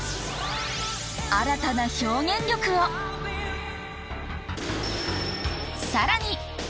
新たな表現力をさらに！